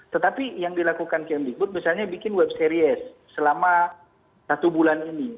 tetapi yang dilakukan kmdikbud misalnya bikin web series selama satu bulan ini